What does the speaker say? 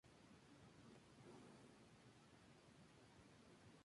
Esta última actividad otorgó su sello al poblado.